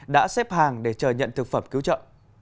đã xếp hàng để chờ nhận thực phẩm cứu trợ